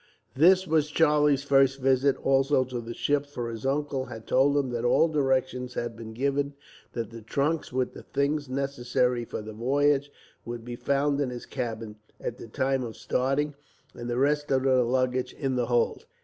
This was Charlie's first visit, also, to the ship, for his uncle had told him that all directions had been given, that the trunks with the things necessary for the voyage would be found in his cabin, at the time of starting, and the rest of the luggage in the hold.